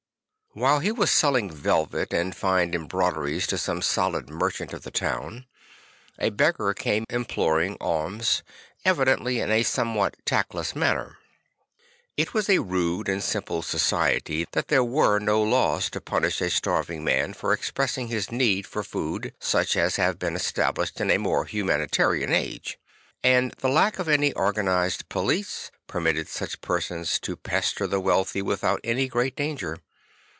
While he was selling velvet and fine embroideries to some solid merchant of the town, a beggar came imploring alms; evidently in a somewhat tactless manner. It was a rude and simple society and there were no laws to punish a starving man for expressing his need for food, such as have been established in a more humani tarian age; and the lack of any organised police permitted such persons to pester the weal thy without any great danger.